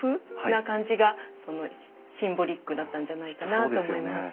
な感じがシンボリックだったんじゃないかなと思います。